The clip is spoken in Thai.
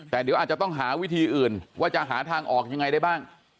แต่เดี๋ยวอาจจะต้องหาวิธีอื่นว่าจะหาทางออกยังไงได้บ้าง